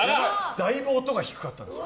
だいぶ音が低かったんです。